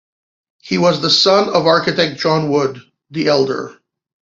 He was the son of the architect John Wood, the Elder.